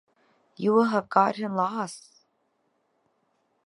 You will have gotten lost!